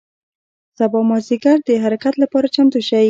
سبا مازدیګر د حرکت له پاره چمتو شئ.